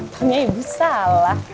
tanya ibu salah